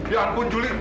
ya ampun juli